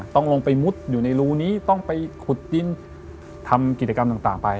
ต้องลงไปมุดอยู่ในรูนี้ต้องไปขุดดินทำกิจกรรมต่างไป